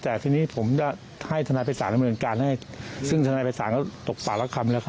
จะให้ธนายภัยศาลดำเนินการให้ซึ่งธนายภัยศาลก็ตกปากลับคำแล้ว